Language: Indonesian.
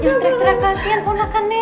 jangan trek trek kasian pun akan nenek